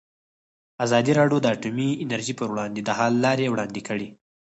ازادي راډیو د اټومي انرژي پر وړاندې د حل لارې وړاندې کړي.